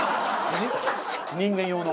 人間用の。